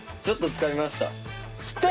ちょっとつかみました。